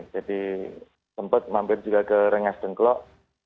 jadi sempat mampir juga ke rengas dengklok